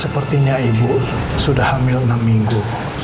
sepertinya ibu sudah hamil enam minggu